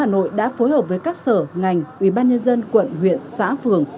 cơ quan chức năng đã phối hợp với các sở ngành ủy ban nhân dân quận huyện xã phường